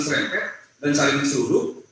serempet dan saling seluruh